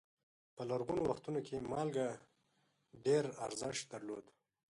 په لرغونو وختونو کې مالګه ډېر ارزښت درلود.